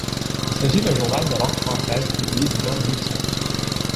Il s’agit d’un journal de langue française publié du lundi au samedi.